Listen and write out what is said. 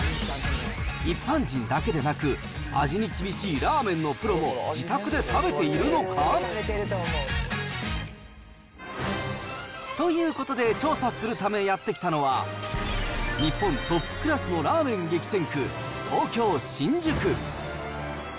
一般人だけでなく、味に厳しいラーメンのプロも自宅で食べているのか？ということで、調査するためやって来たのは、日本トップクラスのラーメン激戦区、東京・新宿。